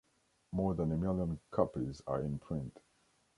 More than a million copies are in print.